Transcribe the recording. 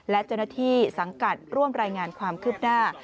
และเจ้าหน้าที่สังกัดร่วมรายงานความคืบหน้า